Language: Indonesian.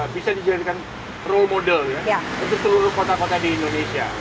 bisa dijadikan role model untuk seluruh kota kota di indonesia